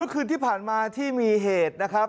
คืนที่ผ่านมาที่มีเหตุนะครับ